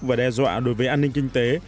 và đe dọa đối với an ninh kinh tế